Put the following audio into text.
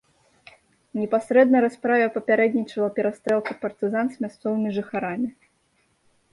Непасрэдна расправе папярэднічала перастрэлка партызан з мясцовымі жыхарамі.